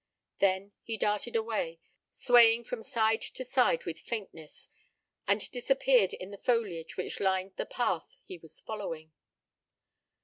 Then he darted away, swaying from side to side with faintness, and disappeared in the foliage which lined the path he was following.